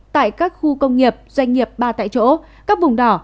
tại các khu công nghiệp doanh nghiệp ba tại chỗ các vùng đỏ